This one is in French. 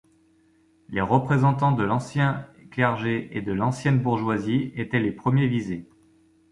Les représentants de l'ancien clergé et de l'ancienne bourgeoisie étaient les premiers visés.